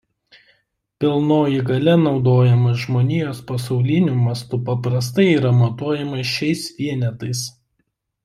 Pilnoji galia naudojama žmonijos pasauliniu mastu paprastai yra matuojama šiais vienetais.